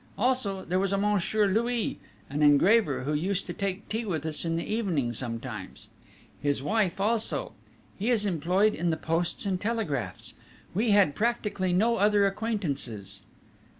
Also there was a Monsieur Louis, an engraver, who used to take tea with us in the evening sometimes, his wife also: he is employed in the Posts and Telegraphs. We had practically no other acquaintances."